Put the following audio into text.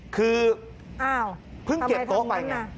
คือเพิ่งเก็บโต๊ะไปไง